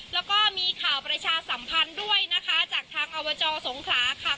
แล้วก็มีข่าวประชาสัมพันธ์ด้วยนะคะจากทางอบจสงขลาค่ะ